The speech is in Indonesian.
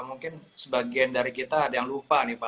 mungkin sebagian dari kita ada yang lupa nih pak